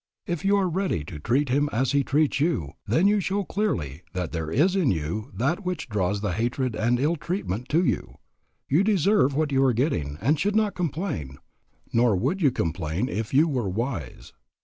If you are ready to treat him as he treats you, then you show clearly that there is in you that which draws the hatred and ill treatment to you; you deserve what you are getting and should not complain, nor would you complain if you were wise.